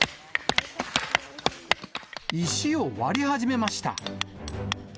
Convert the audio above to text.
石を割り始めました。